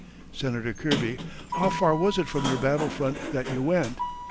Senator Kirby: How far was it from your battle front that you went?